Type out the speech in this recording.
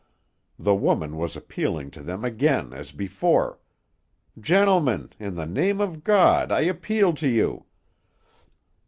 The woman was appealing to them again as before: "Gentlemen! In the name of God! I appeal to you."